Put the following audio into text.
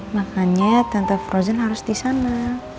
makanya tete froidan harus di sana